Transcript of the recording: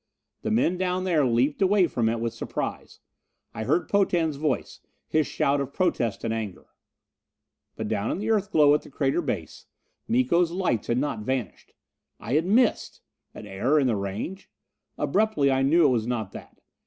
The men down there leaped away from it with surprise. I heard Potan's voice, his shout of protest and anger. But down in the Earthglow at the crater base, Miko's lights had not vanished! I had missed! An error in the range? Abruptly I knew it was not that.